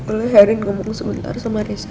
boleh erin ngomong sebentar sama risa